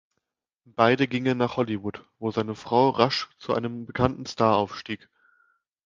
Beide gingen nach Hollywood, wo seine Frau rasch zu einem bekannten Star aufstieg.